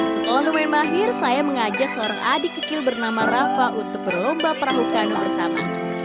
setelah lumayan mahir saya mengajak seorang adik kecil bernama rafa untuk berlomba perahu kanu bersama